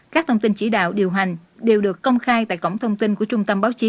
các thông tin chỉ đạo điều hành đều được công khai tại cổng thông tin của trung tâm báo chí